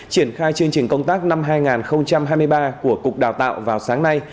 triển khai chương trình công tác năm hai nghìn hai mươi ba của cục đào tạo vào sáng nay